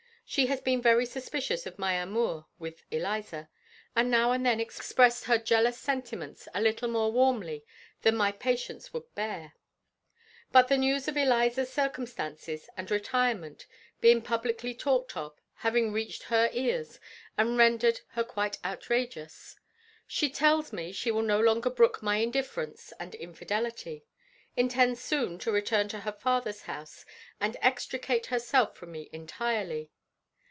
She has been very suspicious of my amour with Eliza, and now and then expressed her jealous sentiments a little more warmly than my patience would bear. But the news of Eliza's circumstances and retirement, being publicly talked of, have reached her ears, and rendered her quite outrageous. She tells me she will no longer brook my indifference and infidelity; intends soon to return to her father's house, and extricate herself from me entirely.